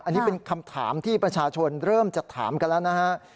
อันนี้เป็นคำถามที่ประชาชนเริ่มจะถามกันแล้วนะฮะ